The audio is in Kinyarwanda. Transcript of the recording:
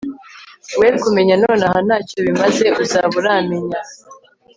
we kumenya nonaha ntacyo bimaze uzaba uramenya